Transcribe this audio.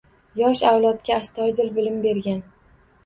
Yosh avlodga astoydil bilim bergan